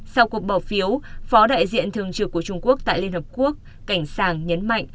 sau cuộc bỏ phiếu phó đại diện thường trực của trung quốc tại liên hợp quốc cảnh sàng nhấn mạnh